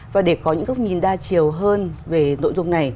và để có những góc nhìn đa chiều hơn về nội dung này